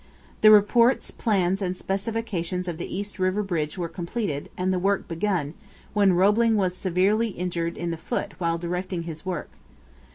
The reports, plans, and specifications of the East River bridge were completed, and the work begun, when Roebling was severely injured in the foot while directing his work.